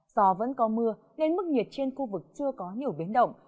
do vẫn có mưa nên mức nhiệt trên khu vực chưa có nhiều biến động